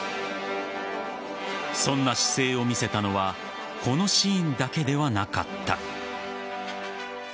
そんな姿勢を見せたのはこのシーンだけではなかった。